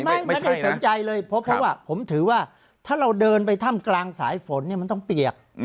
ไม่ได้สนใจเลยเพราะว่าผมถือว่าถ้าเราเดินไปถ้ำกลางสายฝนเนี่ยมันต้องเปียก